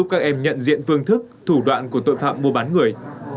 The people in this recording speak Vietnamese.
các em nhận diện phương thức thủ đoạn của tội phạm mua bán người